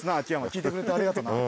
聞いてくれてありがとな。